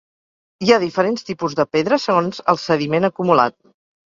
Hi ha diferents tipus de pedres segons el sediment acumulat.